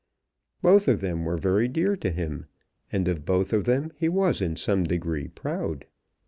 Both of them were very dear to him, and of both of them he was in some degree proud.